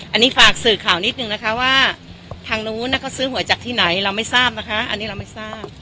อันนี้ฝากสื่อข่าวนิดนึงนะคะว่าทางนู้นเขาซื้อหวยจากที่ไหนเราไม่ทราบนะคะอันนี้เราไม่ทราบ